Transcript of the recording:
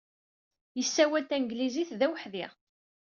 Yessawal Tanglizit d aweḥdi.